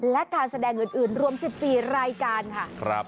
และการแสดงอื่นรวม๑๔รายการค่ะ